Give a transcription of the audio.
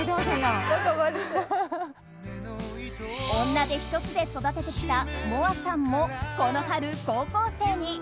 女手ひとつで育ててきたもあさんもこの春、高校生に。